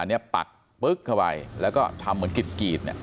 อันนี้ปักปึ๊กเข้าไปแล้วก็ทำเหมือนกรีดเนี่ย